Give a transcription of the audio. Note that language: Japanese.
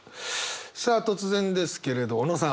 さあ突然ですけれど小野さん。